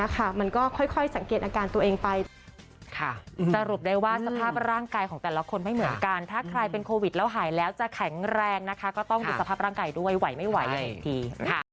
กับคนไม่เหมือนกันถ้าใครเป็นโควิดแล้วหายแล้วจะแข็งแรงนะคะก็ต้องอยู่สภาพร่างกายด้วยไหวไม่ไหวอีกทีค่ะ